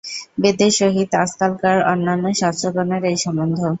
বেদের সহিত আজকালকার অন্যান্য শাস্ত্রগ্রন্থের এই সম্বন্ধ।